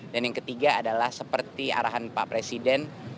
dan yang ketiga adalah seperti arahan pak presiden